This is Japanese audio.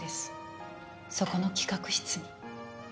そこの企画室に。